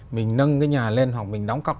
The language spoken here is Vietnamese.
mình nâng cái nhà lên hoặc mình đóng cọc